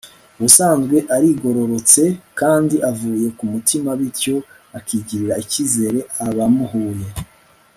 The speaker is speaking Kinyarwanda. Ubusanzwe arigororotse kandi avuye ku mutima bityo akigirira ikizere abamuhuye